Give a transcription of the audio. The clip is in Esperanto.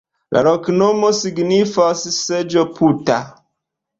La loknomo signifas seĝo-puta.